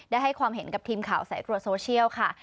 ให้ความเห็นกับทีมข่าวสายตรวจโซเชียลค่ะ